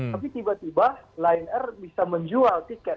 tapi tiba tiba lion air bisa menjual tiket